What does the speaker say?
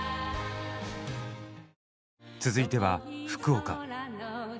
続いては福岡。